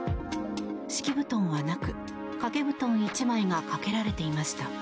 敷布団はなく、掛け布団１枚がかけられていました。